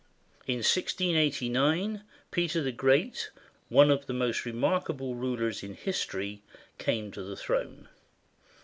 In 1689, Peter the Great, one of the most remarkable rulers in history, came to the throne.